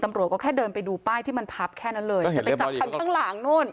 ตำรวจก็แค่เดินไปดูป้ายที่มันพับแค่นั้นเลยจะไปจับคันข้างหลังนู่น